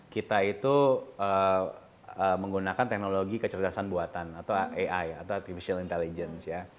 kita itu menggunakan teknologi kecerdasan buatan atau ai atau artificial intelligence ya